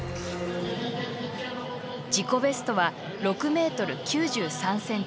自己ベストは、６ｍ９３ｃｍ。